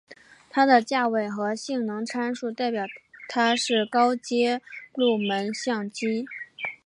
它的价位和性能参数代表它是高阶入门相机。